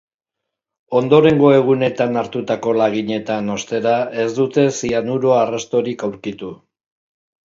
Ondorengo egunetan hartutako laginetan, ostera, ez dute zianuro arrastorik aurkitu.